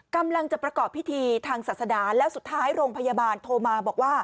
กำลังจะประกอบพิธีทางศาสนาแล้วสุดท้ายโรงพยาบาลโทรมาบอกว่า